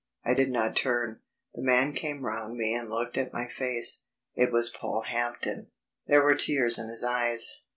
I did not turn; the man came round me and looked at my face. It was Polehampton. There were tears in his eyes.